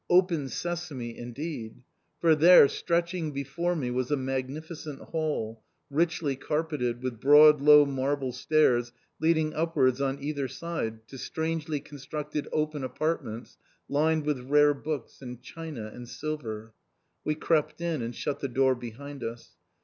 "Open Sesame" indeed! For there, stretching before me, was a magnificent hall, richly carpeted, with broad, low marble stairs leading upwards on either side to strangely constructed open apartments lined with rare books, and china, and silver. We crept in, and shut the door behind us.